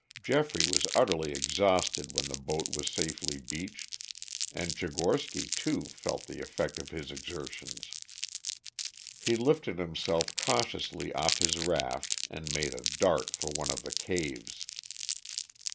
Geoffrey was utterly exhausted when the boat was safely beached, and Tchigorsky, too, felt the effect of his exertions. He lifted himself cautiously off his raft and made a dart for one of the caves.